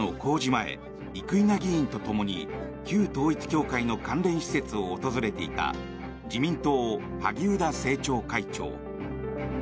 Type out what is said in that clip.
前生稲議員とともに旧統一教会の関連団体を訪れていた自民党・萩生田政調会長。